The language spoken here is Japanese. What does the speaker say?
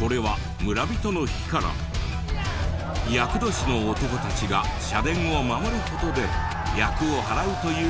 これは村人の火から厄年の男たちが社殿を守る事で厄をはらうという祭り。